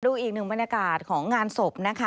ดูอีกหนึ่งบรรยากาศของงานศพนะคะ